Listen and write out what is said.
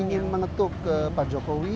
saya ingin mengetuk ke pak jokowi gitu ya